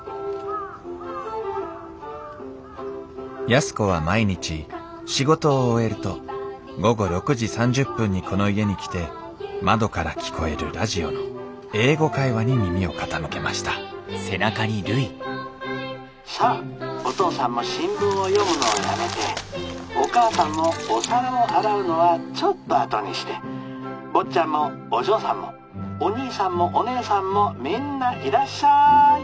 安子は毎日仕事を終えると午後６時３０分にこの家に来て窓から聴こえるラジオの「英語会話」に耳を傾けました「さあお父さんも新聞を読むのをやめてお母さんもお皿を洗うのはちょっと後にして坊ちゃんもお嬢さんもお兄さんもお姉さんもみんないらっしゃい。